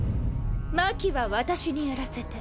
真希は私にやらせて。